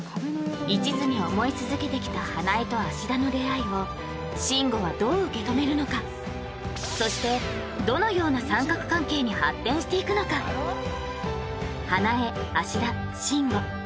いちずに思い続けてきた花枝と芦田の出会いを慎吾はどう受け止めるのかそしてどのような三角関係に発展していくのか花枝芦田慎吾